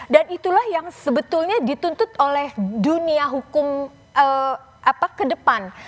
dan itulah yang sebetulnya dituntut oleh dunia hukum ke depan